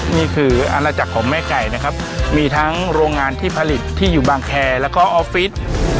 นี่คืออาณาจักรของแม่ไก่นะครับมีทั้งโรงงานที่ผลิตที่อยู่บางแคร์แล้วก็ออฟฟิศ